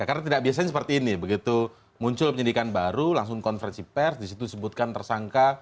karena tidak biasanya seperti ini begitu muncul penyidikan baru langsung konfrensi pr disitu disebutkan tersangka